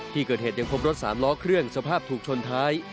ที่เกิดเหตุยังพบรถ๓ล้อเครื่องสภาพถูกชนท้าย